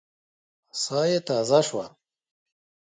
ساه يې تازه شوه.